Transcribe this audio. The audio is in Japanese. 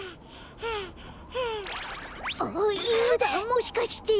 もしかして。